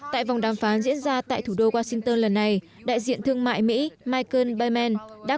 tại vòng đàm phán diễn ra tại thủ đô washington lần này đại diện thương mại mỹ michael bamen đã